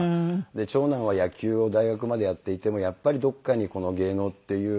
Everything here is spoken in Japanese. で長男は野球を大学までやっていてもやっぱりどこかに芸能っていう。